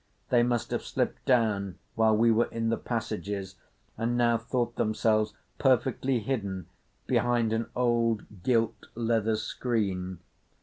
They must have slipped down while we were in the passages, and now thought themselves perfectly hidden behind an old gilt leather screen.